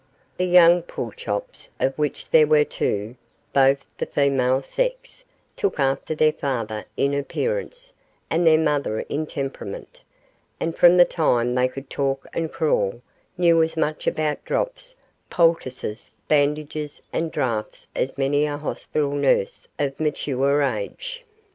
The young Pulchops, of which there were two, both of the female sex, took after their father in appearance and their mother in temperament, and from the time they could talk and crawl knew as much about drops, poultices, bandages, and draughts as many a hospital nurse of mature age.